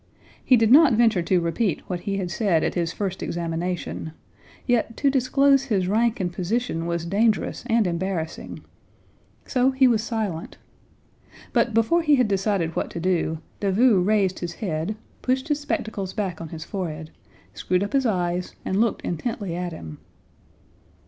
He did not venture to repeat what he had said at his first examination, yet to disclose his rank and position was dangerous and embarrassing. So he was silent. But before he had decided what to do, Davout raised his head, pushed his spectacles back on his forehead, screwed up his eyes, and looked intently at him.